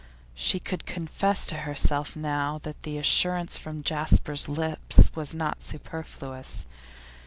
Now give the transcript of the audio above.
She could confess to herself now that the assurance from Jasper's lips was not superfluous.